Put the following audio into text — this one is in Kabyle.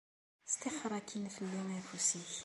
Sṭixxer akkin fell-i afus-ik.